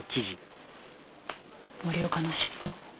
森岡の尻尾。